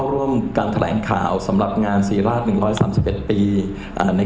โรคไหลหายได้ทัน